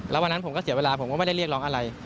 แล้ววันนั้นผมก็เสียเวลาผมก็ไม่ได้เรียกร้องอะไร